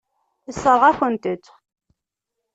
Yessṛeɣ-akent-t.